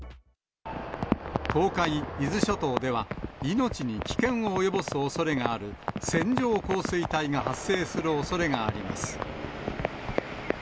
東海、伊豆諸島では、命に危険を及ぼすおそれがある線状降水帯が発生するおそれがあります。